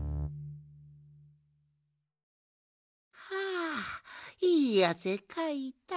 はあいいあせかいた。